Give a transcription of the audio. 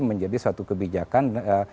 menjadi suatu kebijakan